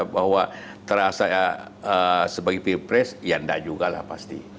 bahwa terasa sebagai pilpres ya enggak juga lah pasti